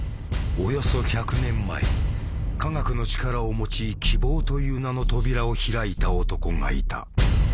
およそ１００年前化学の力を用い希望という名の扉を開いた男がいた。